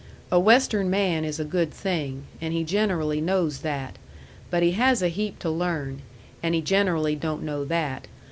A Western man is a good thing. And he generally knows that. But he has a heap to learn. And he generally don't know that.